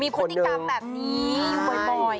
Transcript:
พฤติกรรมแบบนี้อยู่บ่อย